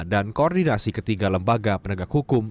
dan koordinasi ketiga lembaga penegak hukum